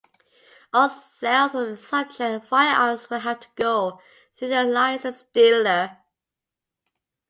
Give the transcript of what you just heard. All sales of the subject firearms would have to go through a licensed dealer.